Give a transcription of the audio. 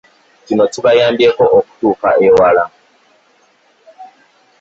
Kino kibayambeko okutuuka ewala